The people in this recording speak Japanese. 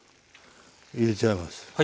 入れちゃいます。